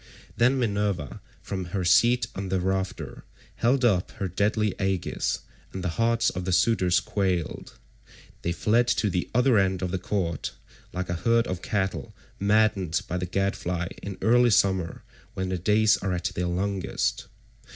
Then Minerva from her seat on the rafter held up her deadly aegis, and the hearts of the suitors quailed. They fled to the other end of the court like a herd of cattle maddened by the gadfly in early summer when the days are at their longest.